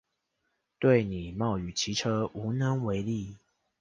對你冒雨騎車無能為力